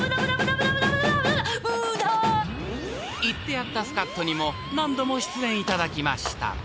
［言ってやったスカッとにも何度も出演いただきました］